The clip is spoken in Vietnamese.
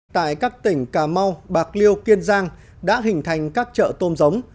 tại các tỉnh cà mau bạc liêu kiên giang đã hình thành các chợ tôm giống